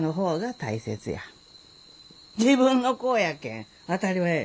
自分の子やけん当たり前や。